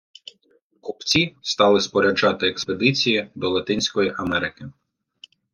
Купці стали споряджати експедиції до Латинської Америки.